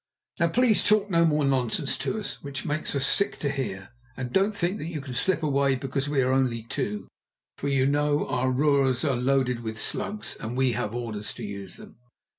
Now please talk no more nonsense to us, which it makes us sick to hear, and don't think that you can slip away because we are only two, for you know our roers are loaded with slugs, and we have orders to use them."